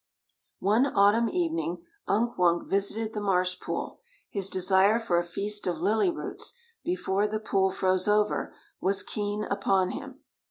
One autumn evening Unk Wunk visited the marsh pool; his desire for a feast of lily roots, before the pool froze over, was keen upon him.